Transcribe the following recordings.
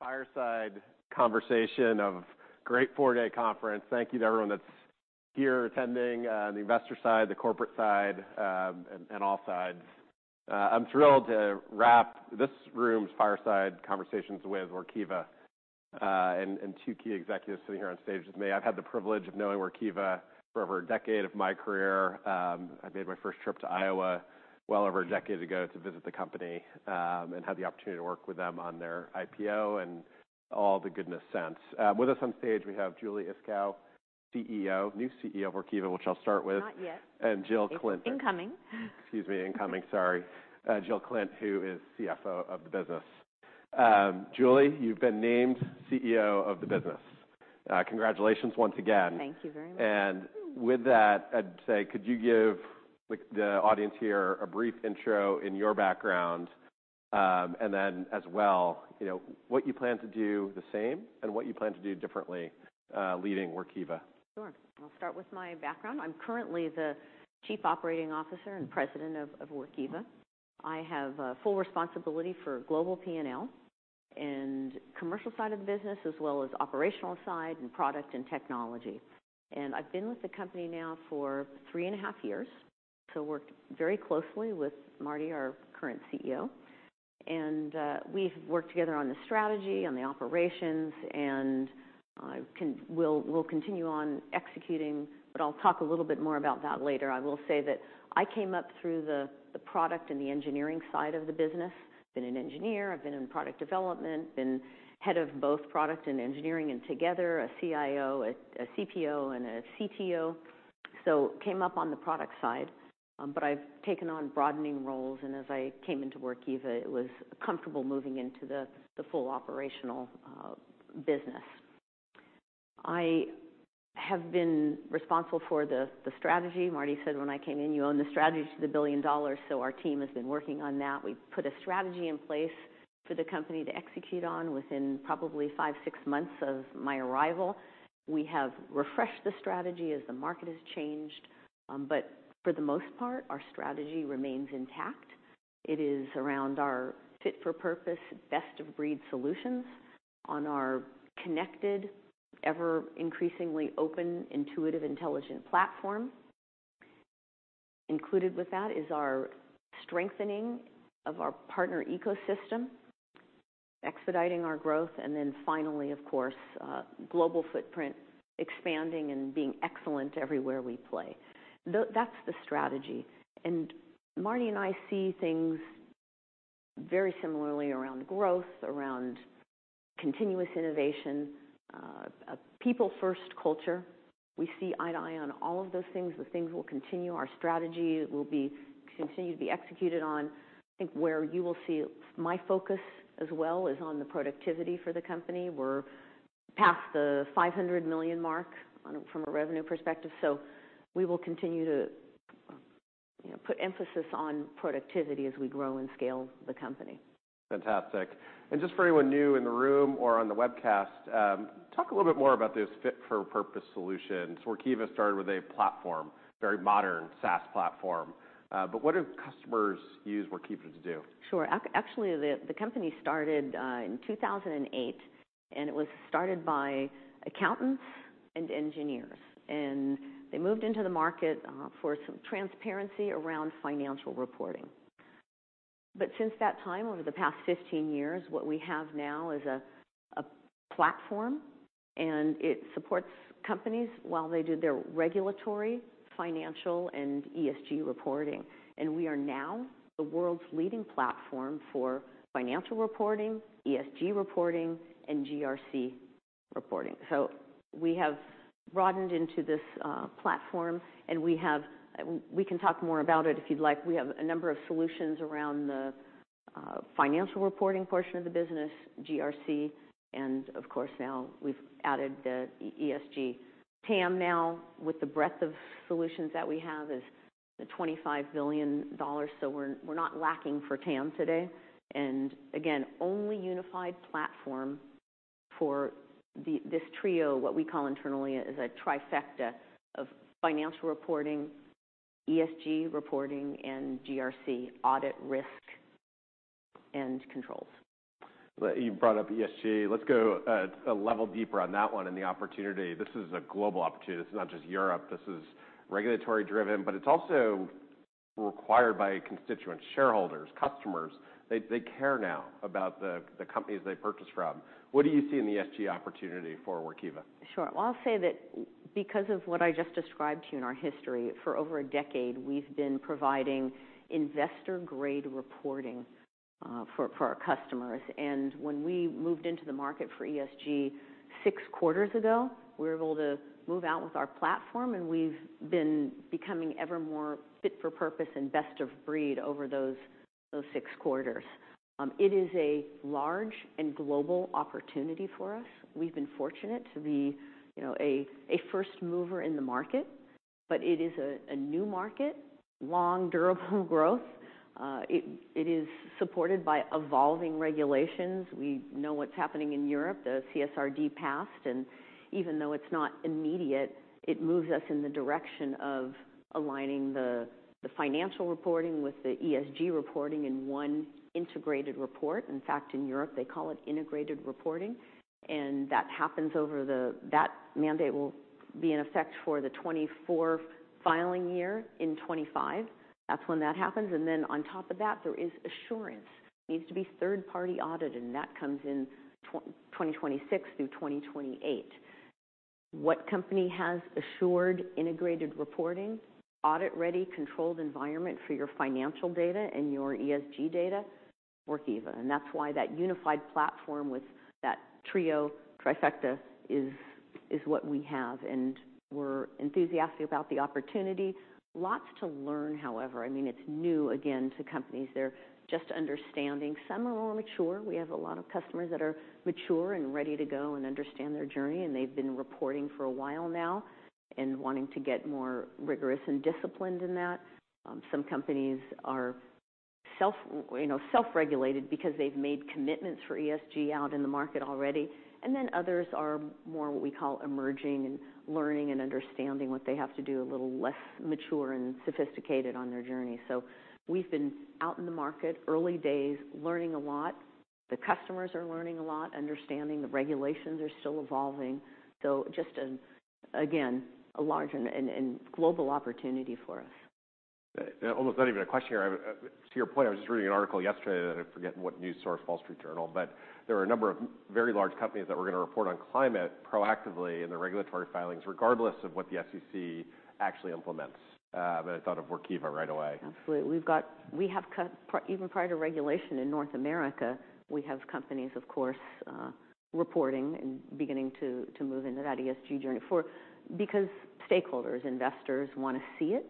Fireside conversation of great four-day conference. Thank you to everyone that's here attending, the investor side, the corporate side, and all sides. I'm thrilled to wrap this room's fireside conversations with Workiva, and two key executives sitting here on stage with me. I've had the privilege of knowing Workiva for over a decade of my career. I made my first trip to Iowa well over a decade ago to visit the company, and had the opportunity to work with them on their IPO and all the goodness since. With us on stage, we have Julie Iskow, CEO, new CEO of Workiva, which I'll start with. Not yet. Jill Klindt. Incoming. Excuse me, incoming, sorry. Jill Klindt, who is CFO of the business. Julie, you've been named CEO of the business. Congratulations once again. Thank you very much. With that, I'd say, could you give the audience here a brief intro in your background, and then as well, you know, what you plan to do the same and what you plan to do differently, leading Workiva? Sure. I'll start with my background. I'm currently the Chief Operating Officer and President of Workiva. I have full responsibility for global P&L and commercial side of the business, as well as operational side and product and technology. I've been with the company now for three and a half years, so worked very closely with Marty, our current CEO. We've worked together on the strategy, on the operations, and we'll continue on executing, but I'll talk a little bit more about that later. I will say that I came up through the product and the engineering side of the business. Been an engineer, I've been in product development, been head of both product and engineering and together, a CIO, a CPO and a CTO. Came up on the product side. I've taken on broadening roles, and as I came into Workiva, it was comfortable moving into the full operational business. I have been responsible for the strategy. Marty said when I came in, "You own the strategy to the billion dollars." Our team has been working on that. We put a strategy in place for the company to execute on within probably five, six months of my arrival. We have refreshed the strategy as the market has changed. For the most part, our strategy remains intact. It is around our fit for purpose, best-of-breed solutions on our connected, ever-increasingly open, intuitive, intelligent platform. Included with that is our strengthening of our partner ecosystem, expediting our growth, finally, of course, global footprint, expanding and being excellent everywhere we play. That's the strategy. Marty and I see things very similarly around growth, around continuous innovation, a people first culture. We see eye to eye on all of those things. Those things will continue. Our strategy will be continued to be executed on. I think where you will see my focus as well is on the productivity for the company. We're past the $500 million mark on a, from a revenue perspective, so we will continue to, you know, put emphasis on productivity as we grow and scale the company. Fantastic. Just for anyone new in the room or on the webcast, talk a little bit more about this fit for purpose solution. Workiva started with a platform, very modern SaaS platform. What do customers use Workiva to do? Sure. Actually, the company started in 2008, and it was started by accountants and engineers, and they moved into the market for some transparency around financial reporting. Since that time, over the past 15 years, what we have now is a platform, and it supports companies while they do their regulatory, financial, and ESG reporting. We are now the world's leading platform for financial reporting, ESG reporting, and GRC reporting. We have broadened into this platform, and we have. We can talk more about it if you'd like. We have a number of solutions around the financial reporting portion of the business, GRC, and of course, now we've added the ESG. TAM now, with the breadth of solutions that we have, is $25 billion, so we're not lacking for TAM today. Again, only unified platform for the, this trio, what we call internally as a trifecta of financial reporting, ESG reporting, and GRC audit risk and controls. You brought up ESG. Let's go a level deeper on that one and the opportunity. This is a global opportunity. This is not just Europe. This is regulatory driven, but it's also required by constituents, shareholders, customers. They care now about the companies they purchase from. What do you see in the ESG opportunity for Workiva? Sure. I'll say that because of what I just described to you in our history, for over a decade, we've been providing investor grade reporting for our customers. When we moved into the market for ESG six quarters ago, we were able to move out with our platform, and we've been becoming ever more fit for purpose and best of breed over those six quarters. It is a large and global opportunity for us. We've been fortunate to be, you know, a first mover in the market, but it is a new market, long durable growth. It is supported by evolving regulations. We know what's happening in Europe. The CSRD passed, even though it's not immediate, it moves us in the direction of aligning the financial reporting with the ESG reporting in one integrated report. In fact, in Europe, they call it integrated reporting. That mandate will be in effect for the 2024 filing year in 2025. That's when that happens. Then on top of that, there is assurance. Needs to be third-party audit, and that comes in 2026 through 2028. What company has assured integrated reporting, audit-ready, controlled environment for your financial data and your ESG data? Workiva. That's why that unified platform with that trio trifecta is what we have, and we're enthusiastic about the opportunity. Lots to learn, however. I mean, it's new, again, to companies. They're just understanding. Some are more mature. We have a lot of customers that are mature and ready to go and understand their journey, and they've been reporting for a while now and wanting to get more rigorous and disciplined in that. Some companies are self, you know, self-regulated because they've made commitments for ESG out in the market already. Others are more what we call emerging and learning and understanding what they have to do, a little less mature and sophisticated on their journey. We've been out in the market, early days, learning a lot. The customers are learning a lot, understanding the regulations are still evolving. Just, again, a large and global opportunity for us. Almost not even a question here. To your point, I was just reading an article yesterday that I forget what news source, Wall Street Journal, but there are a number of very large companies that were gonna report on climate proactively in the regulatory filings, regardless of what the SEC actually implements. I thought of Workiva right away. Absolutely. We have companies, even prior to regulation in North America, we have companies, of course, reporting and beginning to move into that ESG journey. Stakeholders, investors wanna see it.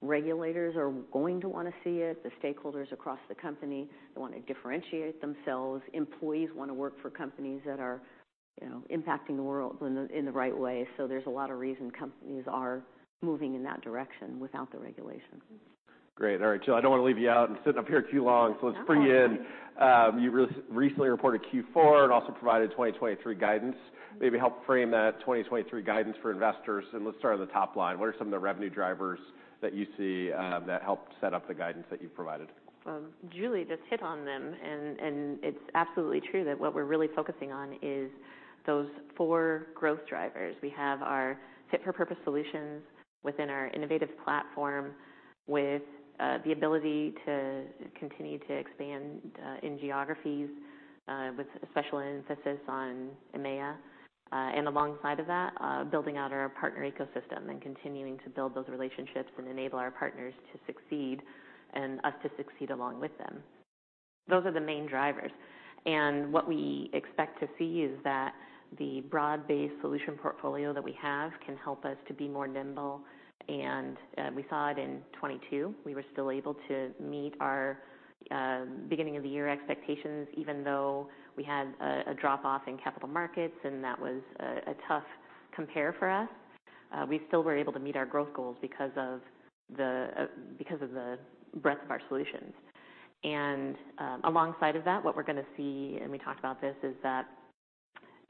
Regulators are going to wanna see it. The stakeholders across the company, they wanna differentiate themselves. Employees wanna work for companies that are, you know, impacting the world in the right way. There's a lot of reason companies are moving in that direction without the regulation. Great. All right, Jill, I don't want to leave you out. I'm sitting up here too long, so let's bring you in. You recently reported Q4 and also provided 2023 guidance. Maybe help frame that 2023 guidance for investors, let's start on the top line. What are some of the revenue drivers that you see that helped set up the guidance that you provided? Julie just hit on them and it's absolutely true that what we're really focusing on is those four growth drivers. We have our fit-for-purpose solutions within our innovative platform with the ability to continue to expand in geographies with special emphasis on EMEA. Alongside of that, building out our partner ecosystem and continuing to build those relationships and enable our partners to succeed and us to succeed along with them. Those are the main drivers. What we expect to see is that the broad-based solution portfolio that we have can help us to be more nimble. We saw it in 2022. We were still able to meet our beginning of the year expectations, even though we had a drop off in capital markets, and that was a tough compare for us. We still were able to meet our growth goals because of the breadth of our solutions. Alongside of that, what we're gonna see, and we talked about this, is that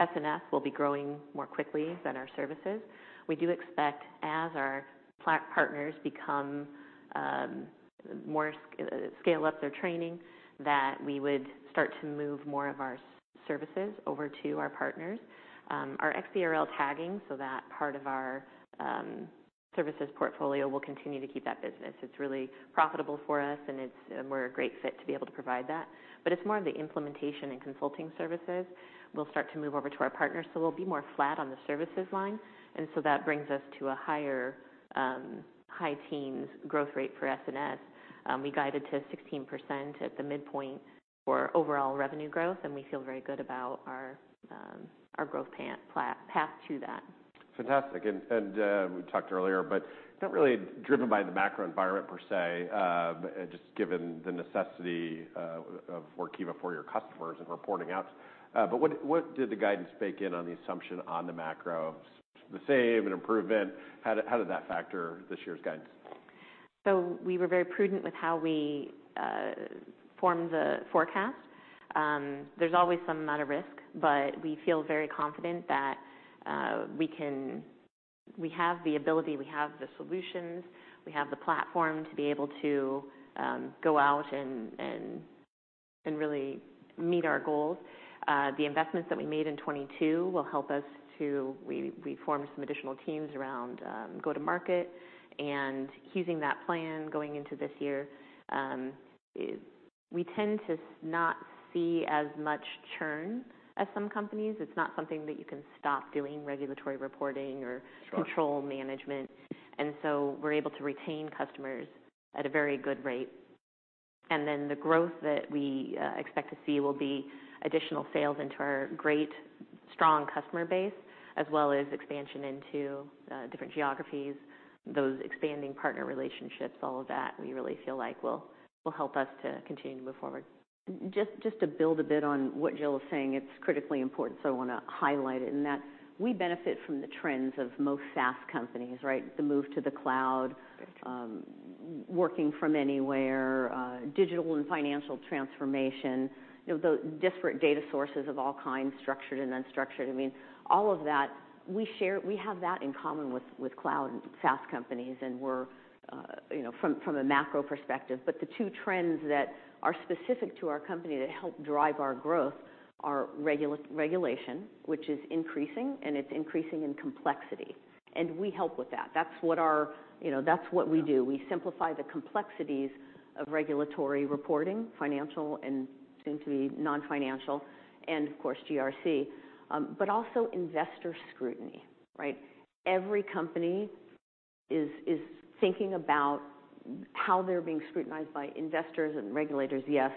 S&S will be growing more quickly than our services. We do expect, as our partners become, more scale up their training, that we would start to move more of our services over to our partners. Our XBRL tagging, so that part of our services portfolio will continue to keep that business. It's really profitable for us, and we're a great fit to be able to provide that. It's more of the implementation and consulting services. We'll start to move over to our partners, we'll be more flat on the services line. That brings us to a higher, high teens growth rate for S&S. We guided to 16% at the midpoint for overall revenue growth, and we feel very good about our growth path to that. Fantastic. We talked earlier, but not really driven by the macro environment per se, just given the necessity of Workiva for your customers and reporting out. What did the guidance bake in on the assumption on the macro? The same? An improvement? How did that factor this year's guidance? We were very prudent with how we formed the forecast. There's always some amount of risk, but we feel very confident that we have the ability, we have the solutions, we have the platform to be able to go out and really meet our goals. The investments that we made in 2022 will help us to. We formed some additional teams around go-to-market and heeding that plan going into this year is we tend to not see as much churn as some companies. It's not something that you can stop doing regulatory reporting— Sure —control management. We're able to retain customers at a very good rate. The growth that we expect to see will be additional sales into our strong customer base, as well as expansion into different geographies, those expanding partner relationships, all of that we really feel like will help us to continue to move forward. Just to build a bit on what Jill is saying, it's critically important, so I wanna highlight it in that we benefit from the trends of most SaaS companies, right? The move to the cloud, working from anywhere, digital and financial transformation. You know, the disparate data sources of all kinds, structured and unstructured. I mean, all of that, we have that in common with cloud and SaaS companies, and we're, you know, from a macro perspective. The two trends that are specific to our company that help drive our growth are regulation, which is increasing, and it's increasing in complexity. We help with that. That's what our, you know, that's what we do. We simplify the complexities of regulatory reporting, financial and soon-to-be non-financial, and of course, GRC. Also investor scrutiny, right? Every company is thinking about how they're being scrutinized by investors and regulators, yes,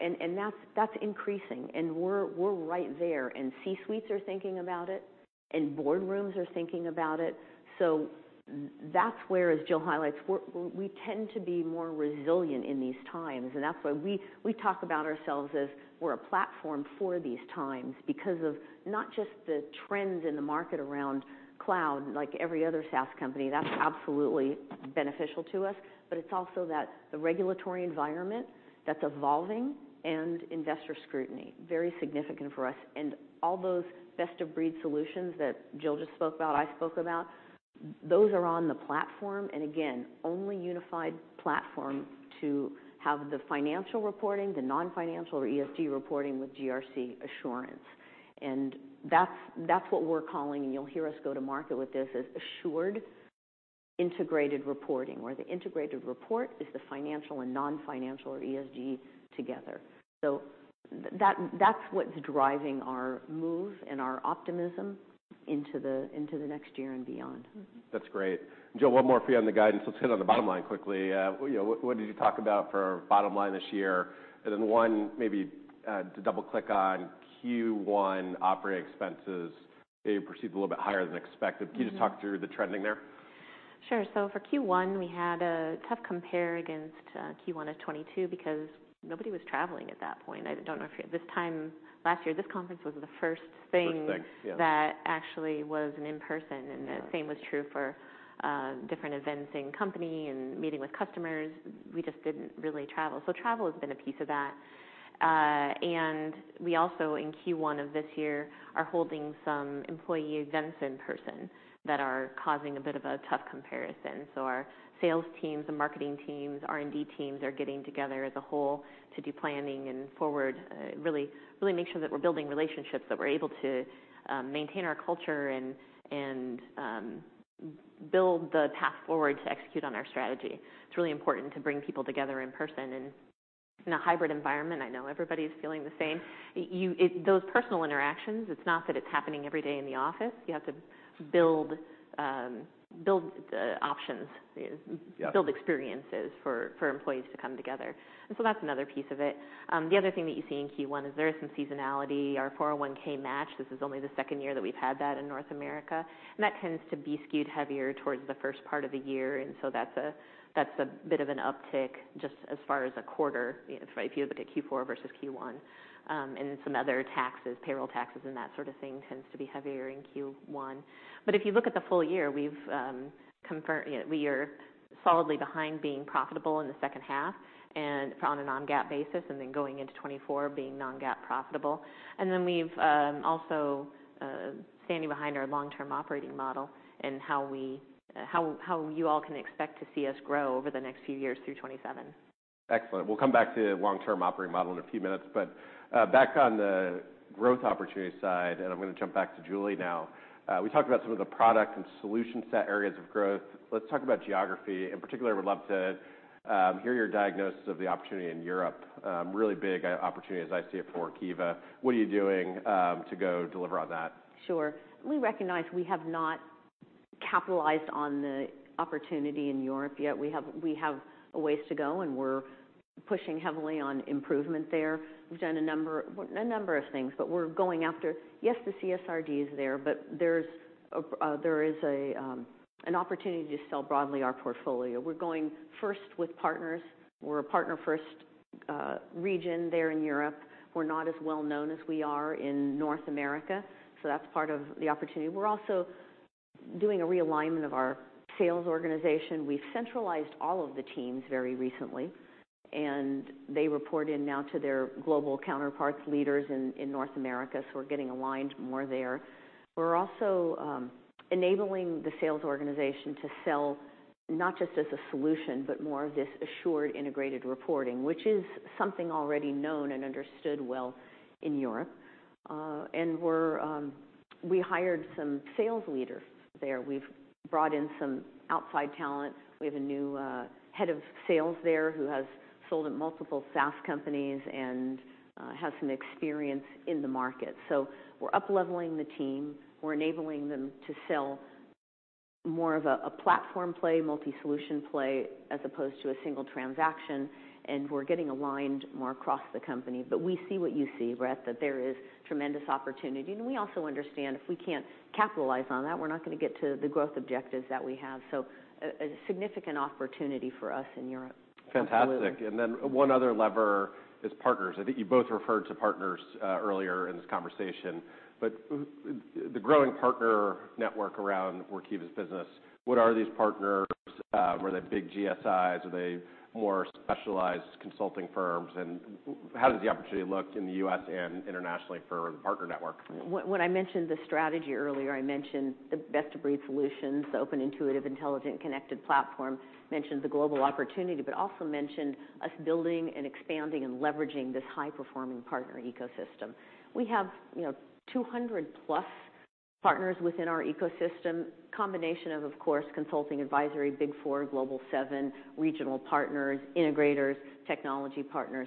and that's increasing. We're right there. C-suites are thinking about it, and boardrooms are thinking about it. That's where, as Jill highlights, we tend to be more resilient in these times. That's why we talk about ourselves as we're a platform for these times because of not just the trends in the market around cloud, like every other SaaS company, that's absolutely beneficial to us, but it's also that the regulatory environment that's evolving and investor scrutiny, very significant for us. All those best-of-breed solutions that Jill just spoke about, I spoke about, those are on the platform, and again, only unified platform to have the financial reporting, the non-financial or ESG reporting with GRC assurance. That's what we're calling, and you'll hear us go to market with this, is assured integrated reporting, where the integrated report is the financial and non-financial or ESG together. That's what's driving our move and our optimism into the, into the next year and beyond. That's great. Jill, one more for you on the guidance. Let's hit on the bottom line quickly. you know, what did you talk about for bottom line this year? One maybe, to double-click on Q1 operating expenses, they proceeded a little bit higher than expected. Mm-hmm. Can you just talk through the trending there? Sure. For Q1, we had a tough compare against Q1 of 2022 because nobody was traveling at that point. I don't know. This time last year, this conference was the first— First thing, yeah. —that actually was an in-person. The same was true for different events in company and meeting with customers. We just didn't really travel. Travel has been a piece of that. We also in Q1 of this year are holding some employee events in person that are causing a bit of a tough comparison. Our sales teams, the marketing teams, R&D teams are getting together as a whole to do planning and forward, really, really make sure that we're building relationships, that we're able to maintain our culture and build the path forward to execute on our strategy. It's really important to bring people together in person. In a hybrid environment, I know everybody's feeling the same. Those personal interactions, it's not that it's happening every day in the office. You have to build options. Yeah. Build experiences for employees to come together. That's another piece of it. The other thing that you see in Q1 is there is some seasonality. Our 401(k) match, this is only the second year that we've had that in North America, and that tends to be skewed heavier towards the first part of the year. That's a bit of an uptick just as far as a quarter, you know, if you look at Q4 versus Q1. Some other taxes, payroll taxes, and that sort of thing tends to be heavier in Q1. If you look at the full year, we've confirm, you know, we are solidly behind being profitable in the second half and on a non-GAAP basis, and then going into 2024, being non-GAAP profitable. We've also standing behind our long-term operating model and how we, how you all can expect to see us grow over the next few years through 2027. Excellent. We'll come back to long-term operating model in a few minutes. Back on the growth opportunity side, and I'm gonna jump back to Julie now. We talked about some of the product and solution set areas of growth. Let's talk about geography. In particular, I would love to hear your diagnosis of the opportunity in Europe. Really big opportunity as I see it for Workiva. What are you doing to go deliver on that? Sure. We recognize we have not capitalized on the opportunity in Europe yet. We have a ways to go, and we're pushing heavily on improvement there. We've done a number of things, but we're going after. Yes, the CSRD is there, but there's an opportunity to sell broadly our portfolio. We're going first with partners. We're a partner-first region there in Europe. We're not as well-known as we are in North America, so that's part of the opportunity. We're also doing a realignment of our sales organization. We've centralized all of the teams very recently, and they report in now to their global counterparts, leaders in North America, so we're getting aligned more there. We're also enabling the sales organization to sell not just as a solution, but more of this assured integrated reporting, which is something already known and understood well in Europe. We hired some sales leaders there. We've brought in some outside talent. We have a new head of sales there who has sold at multiple SaaS companies and has some experience in the market. We're upleveling the team. We're enabling them to sell more of a platform play, multi-solution play as opposed to a single transaction, and we're getting aligned more across the company. We see what you see, Brett, that there is tremendous opportunity. We also understand if we can't capitalize on that, we're not gonna get to the growth objectives that we have. A significant opportunity for us in Europe. Fantastic. One other lever is partners. I think you both referred to partners earlier in this conversation. The growing partner network around Workiva's business, what are these partners? Were they big GSIs? Are they more specialized consulting firms? How does the opportunity look in the U.S. and internationally for the partner network? When I mentioned the strategy earlier, I mentioned the best-of-breed solutions, the open, intuitive, intelligent, connected platform, mentioned the global opportunity, but also mentioned us building and expanding and leveraging this high-performing partner ecosystem. We have, you know, 200+ partners within our ecosystem. Combination of course, consulting, advisory, Big Four, Global Seven, regional partners, integrators, technology partners.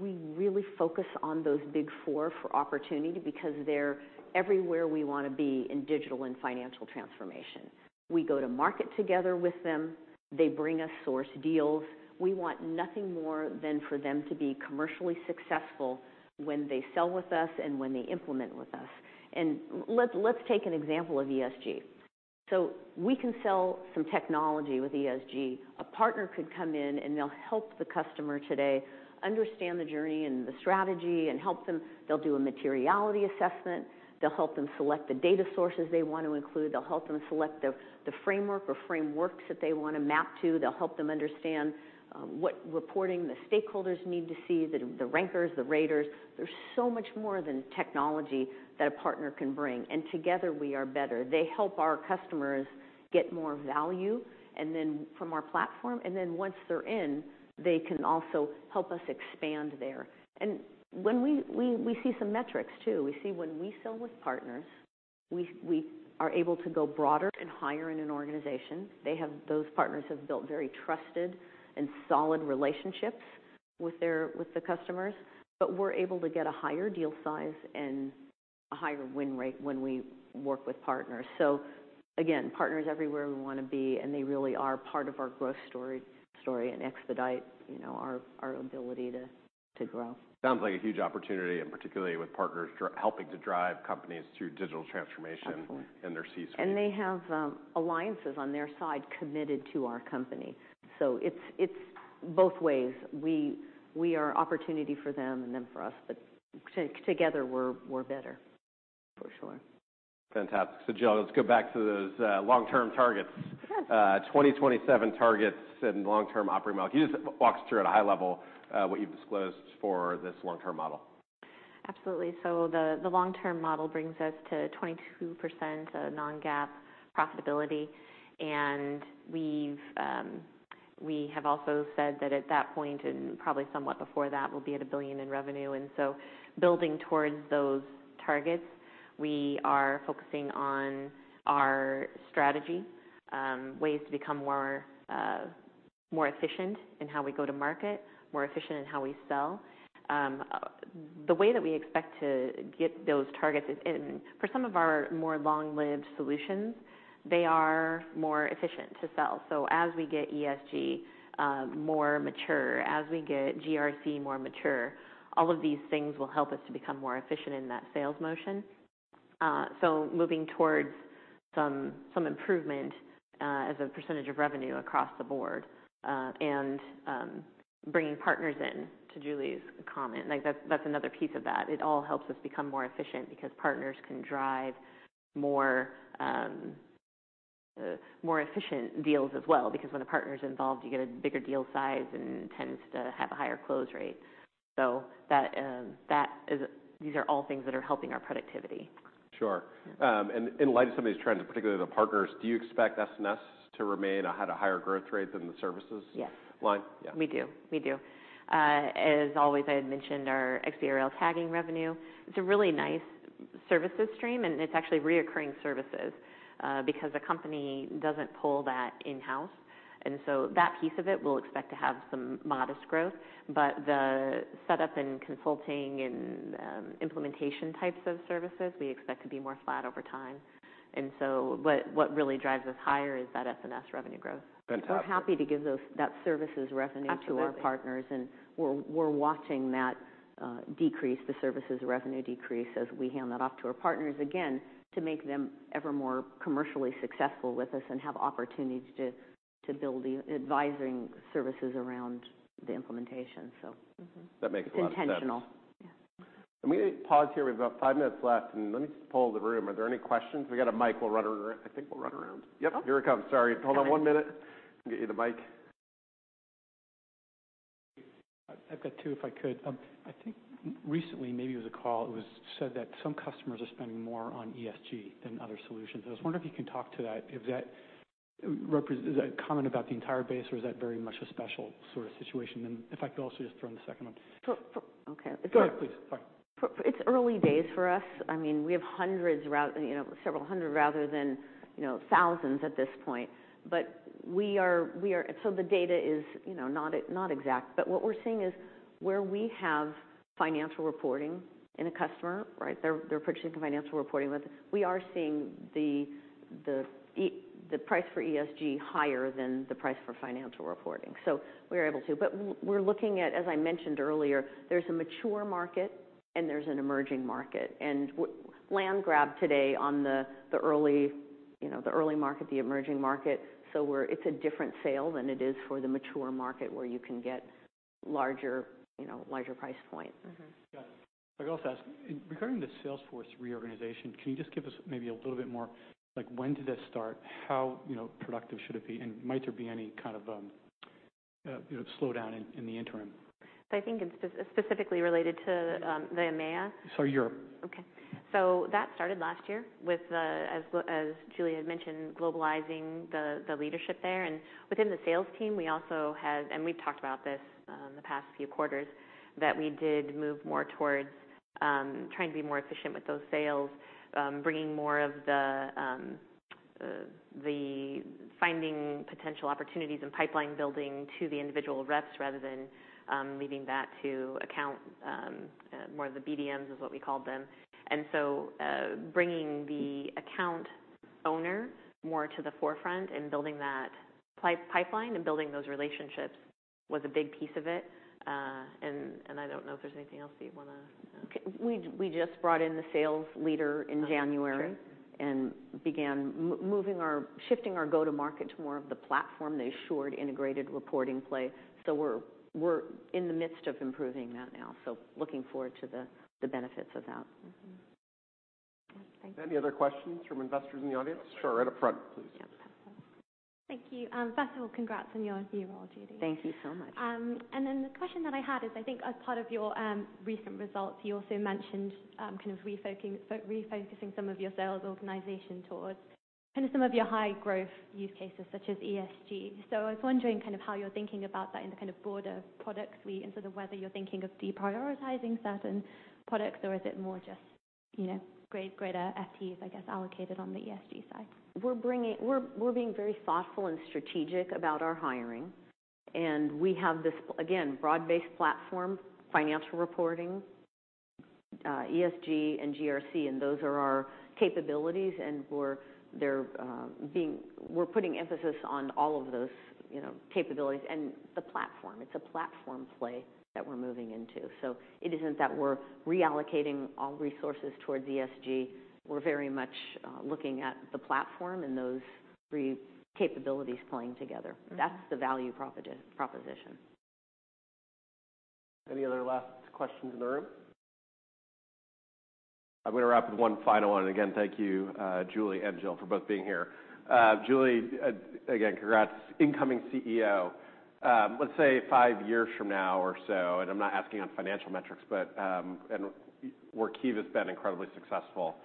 We really focus on those Big Four for opportunity because they're everywhere we wanna be in digital and financial transformation. We go to market together with them. They bring us source deals. We want nothing more than for them to be commercially successful when they sell with us and when they implement with us. Let's take an example of ESG. We can sell some technology with ESG. A partner could come in, and they'll help the customer today understand the journey and the strategy and help them. They'll do a materiality assessment. They'll help them select the data sources they want to include. They'll help them select the framework or frameworks that they wanna map to. They'll help them understand what reporting the stakeholders need to see, the rankers, the raters. There's so much more than technology that a partner can bring, and together we are better. They help our customers get more value, and then from our platform, and then once they're in, they can also help us expand there. When we see some metrics too. We see when we sell with partners, we are able to go broader and higher in an organization. Those partners have built very trusted and solid relationships with their customers. We're able to get a higher deal size and a higher win rate when we work with partners. Again, partners everywhere we wanna be, and they really are part of our growth story and expedite, you know, our ability to grow. Sounds like a huge opportunity, and particularly with partners helping to drive companies through digital transformation— Absolutely. —and their C-suite. They have, alliances on their side committed to our company. It's, it's both ways. We, we are opportunity for them and them for us, but together we're better, for sure. Fantastic. Jill, let's go back to those long-term targets. Sure. The 2027 targets and long-term operating model. Can you just walk us through at a high level, what you've disclosed for this long-term model? Absolutely. The long-term model brings us to 22% non-GAAP profitability. We have also said that at that point, and probably somewhat before that, we'll be at $1 billion in revenue. Building towards those targets, we are focusing on our strategy, ways to become more efficient in how we go to market, more efficient in how we sell. The way that we expect to get those targets, for some of our more long-lived solutions, they are more efficient to sell. As we get ESG more mature, as we get GRC more mature, all of these things will help us to become more efficient in that sales motion. Moving towards some improvement as a percentage of revenue across the board, and bringing partners in, to Julie's comment. Like, that's another piece of that. It all helps us become more efficient because partners can drive more, more efficient deals as well. When a partner's involved, you get a bigger deal size and tends to have a higher close rate. These are all things that are helping our productivity. Sure. In light of some of these trends, particularly the partners, do you expect S&S to remain at a higher growth rate than the services— Yes. —line? Yeah. We do. As always, I had mentioned our XBRL tagging revenue. It's a really nice services stream, and it's actually recurring services, because a company doesn't pull that in-house. That piece of it we'll expect to have some modest growth. The setup and consulting and implementation types of services, we expect to be more flat over time. What really drives us higher is that S&S revenue growth. Fantastic. We're happy to give that services revenue. Absolutely. —to our partners, and we're watching that, decrease, the services revenue decrease as we hand that off to our partners, again, to make them ever more commercially successful with us and have opportunities to build the advising services around the implementation, so. Mm-hmm. That makes a lot of sense. It's intentional. Yeah. I'm gonna pause here. We have about five minutes left. Let me just poll the room. Are there any questions? We got a mic we'll run around. I think we'll run around. Yep, here it comes. Sorry. Hold on one minute. Get you the mic. I've got two, if I could. I think recently, maybe it was a call, it was said that some customers are spending more on ESG than other solutions. I was wondering if you can talk to that. Is that a comment about the entire base, or is that very much a special sort of situation? If I could also just throw in the second one. Okay. Go ahead, please. Sorry. It's early days for us. I mean, we have hundreds, you know, several hundred rather than, you know, thousands at this point. So the data is, you know, not exact. What we're seeing is where we have financial reporting in a customer, right? They're purchasing the financial reporting with, we are seeing the price for ESG higher than the price for financial reporting. We're able to. We're looking at, as I mentioned earlier, there's a mature market and there's an emerging market. Land grab today on the early market, the emerging market. It's a different sale than it is for the mature market, where you can get larger price point. Mm-hmm. Yeah. I'd also ask, regarding the sales force reorganization, can you just give us maybe a little bit more, like, when did that start? How, you know, productive should it be, and might there be any kind of you know, slowdown in the interim? I think it's specifically related to, the EMEA. Europe. That started last year with, as Julie had mentioned, globalizing the leadership there. Within the sales team, we also had. We've talked about this, the past few quarters, that we did move more towards, trying to be more efficient with those sales, bringing more of the finding potential opportunities and pipeline building to the individual reps rather than, leaving that to account, more of the BDMs, is what we call them. Bringing the account owner more to the forefront and building that pipeline and building those relationships was a big piece of it. I don't know if there's anything else that you want to add. Okay. We just brought in the sales leader in January and began moving our, shifting our go-to-market to more of the platform, the assured integrated reporting play. We're in the midst of improving that now, so looking forward to the benefits of that. Mm-hmm. Any other questions from investors in the audience? Sure, at the front please. Yeah, at the front. Thank you. First of all, congrats on your new role, Julie. Thank you so much. The question that I had is, I think as part of your recent results, you also mentioned kind of refocusing some of your sales organization towards kind of some of your high growth use cases, such as ESG. I was wondering kind of how you're thinking about that in the kind of broader product suite and sort of whether you're thinking of deprioritizing certain products, or is it more just, you know, great, greater FTEs, I guess, allocated on the ESG side? We're being very thoughtful and strategic about our hiring, and we have this, again, broad-based platform, financial reporting, ESG and GRC, and those are our capabilities and we're putting emphasis on all of those, you know, capabilities and the platform. It's a platform play that we're moving into. It isn't that we're reallocating all resources towards ESG. We're very much looking at the platform and those three capabilities playing together. Mm-hmm. That's the value proposition. Any other last questions in the room? I'm gonna wrap with one final one. Again, thank you, Julie and Jill for both being here. Julie, again, congrats. Incoming CEO, let's say five years from now or so, and I'm not asking on financial metrics, but, and Workiva's been incredibly successful.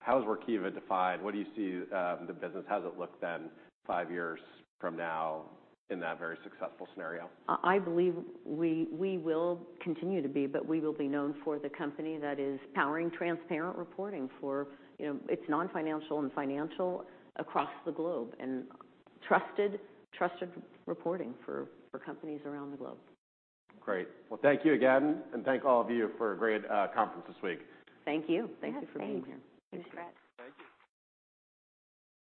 How has Workiva defied? What do you see, the business? How does it look then five years from now in that very successful scenario? I believe we will continue to be, we will be known for the company that is powering transparent reporting for, you know, its non-financial and financial across the globe, and trusted reporting for companies around the globe. Great. Well, thank you again, and thank all of you for a great conference this week. Thank you. Thank you for being here. Yeah, thanks. Thank you.